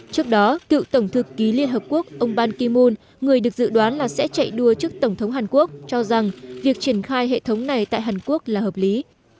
trước đó cựu tổng thư ký liên hợp quốc ông ban kim mun người được dự đoán là sẽ chạy đua trước tổng thống hàn quốc cho rằng việc triển khai hệ thống này tại hàn quốc là hợp lý